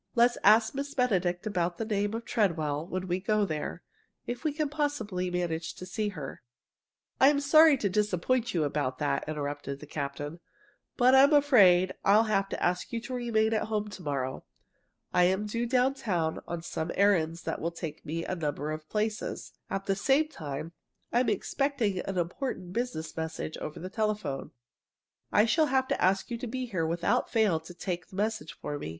Let's ask Miss Benedict about the name of Treadwell when we go there, if we can possibly manage to see her." "I'm sorry to disappoint you about that," interrupted the captain. "But I'm afraid I'll have to ask you to remain at home to morrow. I'm due downtown on some errands that will take me to a number of places. And at the same time, I'm expecting an important business message over the telephone. I shall have to ask you to be here without fail to take the message for me.